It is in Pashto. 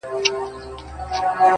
نن یاغي یم له زندانه ځنځیرونه ښخومه٫